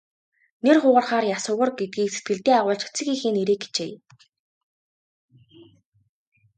Нэр хугарахаар яс хугар гэдгийг сэтгэлдээ агуулж эцэг эхийн нэрийг хичээе.